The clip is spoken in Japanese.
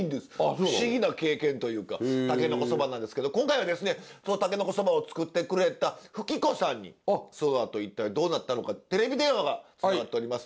不思議な経験というかたけのこそばなんですけど今回はですねそのたけのこそばを作ってくれた富貴子さんにそのあと一体どうなったのかテレビ電話がつながっております。